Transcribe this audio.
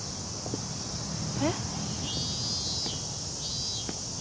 えっ？